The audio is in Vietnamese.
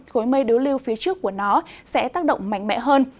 khối mây đối lưu phía trước của nó sẽ tác động mạnh mẽ hơn